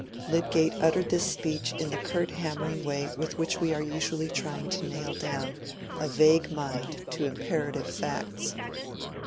Lydgate uttered this speech in the curt hammering way with which we usually try to nail down a vague mind to imperative facts.